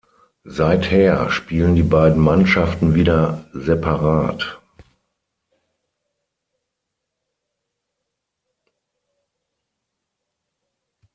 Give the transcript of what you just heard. Seither spielen die beiden Mannschaften wieder separat.